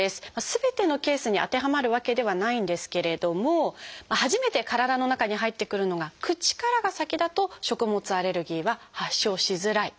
すべてのケースに当てはまるわけではないんですけれども初めて体の中に入ってくるのが口からが先だと食物アレルギーは発症しづらい。